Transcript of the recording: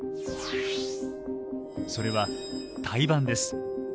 それは胎盤です。